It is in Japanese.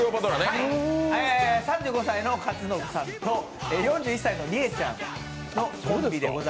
３５歳の克信さんと４１歳のりえちゃんのコンビです。